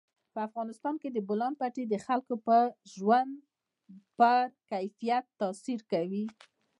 په افغانستان کې د بولان پټي د خلکو د ژوند په کیفیت تاثیر کوي.